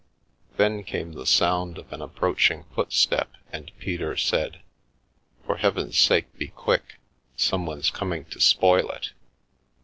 Then came the sound of an approaching footstep, and Peter said: "For Heaven's sake be quick; some one's coming to spoil it